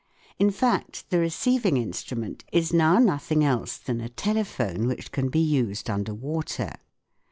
In fact the receiving instrument is now nothing else than a telephone which can be used under water.